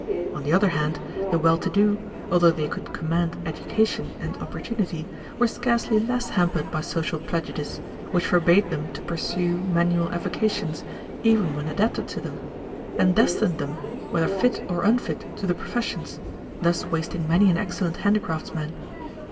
On the other hand, the well to do, although they could command education and opportunity, were scarcely less hampered by social prejudice, which forbade them to pursue manual avocations, even when adapted to them, and destined them, whether fit or unfit, to the professions, thus wasting many an excellent handicraftsman.